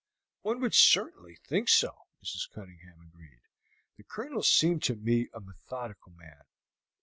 "One would certainly think so," Mrs. Cunningham agreed; "the Colonel seemed to me a methodical man.